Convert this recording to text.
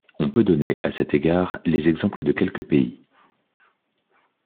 On peut donner, à cet égard, les exemples de quelques pays.